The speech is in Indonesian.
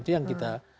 itu yang kita